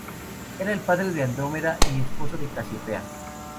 Era el padre de Andrómeda y esposo de Casiopea.